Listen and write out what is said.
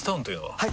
はい！